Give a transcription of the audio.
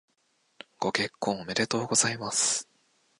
ご結婚おめでとうございます。